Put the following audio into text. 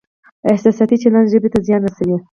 احساساتي چلند ژبې ته زیان رسوي.